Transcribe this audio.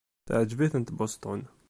Teɛjeb-iten Boston.